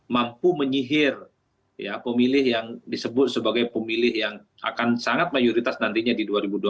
mampu menyihir pemilih yang disebut sebagai pemilih yang akan sangat mayoritas nantinya di dua ribu dua puluh empat